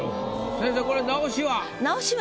先生これ直しは？